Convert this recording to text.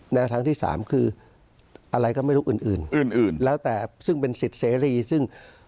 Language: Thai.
แนวทางที่สามคืออะไรก็ไม่รู้อื่นอื่นแล้วแต่ซึ่งเป็นสิทธิ์เสรีซึ่ง